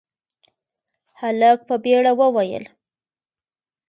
هلک په بيړه وويل: